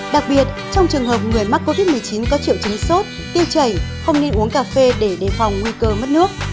đặc biệt trong trường hợp người mắc covid một mươi chín có triệu chứng sốt tiêu chảy không nên uống cà phê để đề phòng nguy cơ mất nước